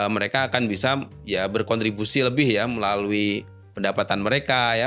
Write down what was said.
mereka akan bisa ya berkontribusi lebih ya melalui pendapatan mereka ya